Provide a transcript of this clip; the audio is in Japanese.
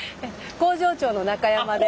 工場長の中山です。